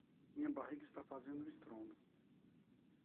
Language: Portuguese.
minha barriga está fazendo um estrondo